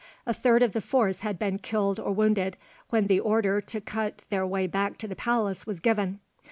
A third of the force had been killed or wounded, when the order to cut their way back to the palace was given.